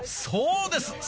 そうです！